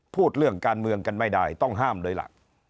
พูดเรื่องการเมืองกันไม่ได้ต้องห้ามเลยล่ะ